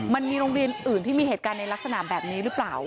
มันมีโรงเรียนอื่นที่มีเหตุการณ์ในลักษณะแบบนี้หรือเปล่า